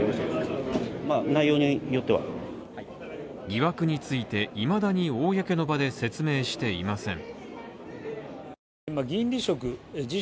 疑惑について、いまだに公の場で説明していません。